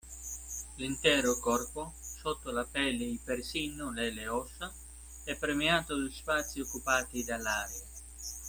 L'intero corpo, sotto la pelle e persino nelle ossa è permeato di spazi occupati dall'aria.